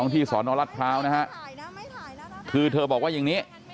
ที่สอนอรัฐพร้าวนะฮะคือเธอบอกว่าอย่างนี้